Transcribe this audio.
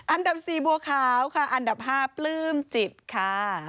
อันดับ๔บัวขาวค่ะอันดับ๕ปลื้มจิตค่ะ